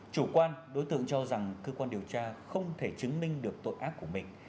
chủ quan đối tượng cho rằng cơ quan điều tra không thể chứng minh được tội ác của mình